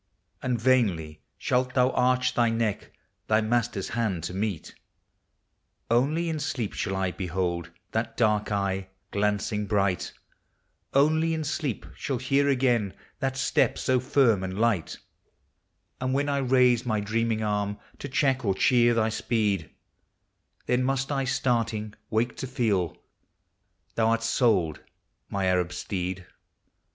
And vainly Shalt thou arch thy neck, ih.\ mas ter's hand to meet. Only in sleep shall I behold thai dark eye, gian cing bright; — Only in sleep shall hear again that step SO ftn» and light; 368 POEMS OF NATURE. And when I raise my dreaming arm to check or cheer thy speed, Then must I, starting, wake to feel, — thou 'rt sold, my Arab steed!